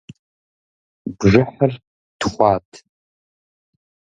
Бжыхьыр тхуат.